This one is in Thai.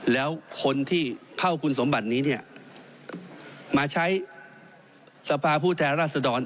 แล้วคนที่เข้าคุณสมบัตินี้เนี่ยมาใช้สภาผู้แทนราชดร